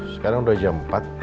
sekarang udah jam empat